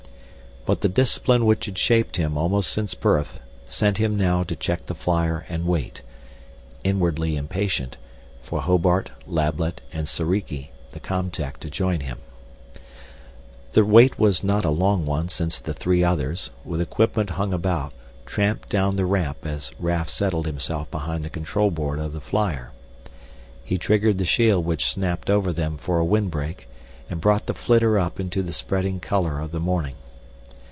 But the discipline which had shaped him almost since birth sent him now to check the flyer and wait, inwardly impatient, for Hobart, Lablet, and Soriki, the com tech, to join him. The wait was not a long one since the three others, with equipment hung about, tramped down the ramp as Raf settled himself behind the control board of the flyer. He triggered the shield which snapped over them for a windbreak and brought the flitter up into the spreading color of the morning.